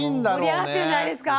盛り上がってるんじゃないですか？